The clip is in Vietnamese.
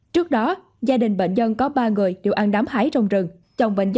trước đó gia đình bệnh nhân có ba người đều ăn đám hái trong rừng